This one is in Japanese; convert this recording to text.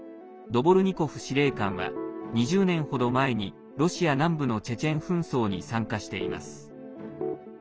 ドボルニコフ司令官は２０年ほど前にロシア南部のチェチェン紛争に参加しています。